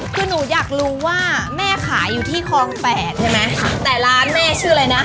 คือหนูอยากรู้ว่าแม่ขายอยู่ที่คลองแปดใช่ไหมแต่ร้านแม่ชื่ออะไรนะ